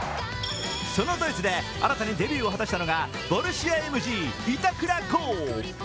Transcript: そのドイツで新たにデビューを果たしたのがボルシアＭＧ板倉滉。